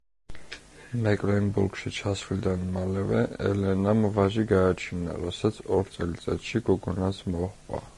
მეკლენბურგში ჩასვლიდან მალევე, ელენამ ვაჟი გააჩინა, რასაც ორ წელიწადში გოგონაც მოჰყვა.